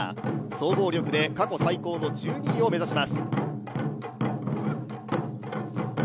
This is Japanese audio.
総合力で過去最高の１２位を目指します。